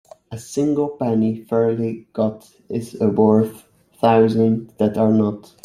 A single penny fairly got is worth a thousand that are not.